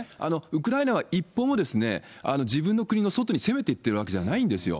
ウクライナは一歩も自分の国の外に攻めていってるわけではないんですよ。